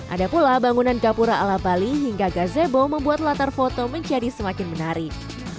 ada pula bangunan kapura ala bali hingga gazebo membuat latar foto menjadi semakin menarik